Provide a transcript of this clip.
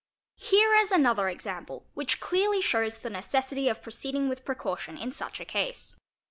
| 4 Here is another example which clearly shows the necessity of pro ceeding with precaution in such a case.